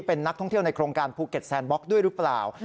เป็นนักท่องเที่ยวในโครงการภูเก็ตแซนบล็อกด้วยหรือเปล่า